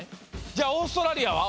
じゃオーストラリアは？